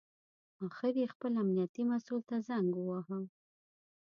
اخر یې خپل امنیتي مسوول ته زنګ وواهه.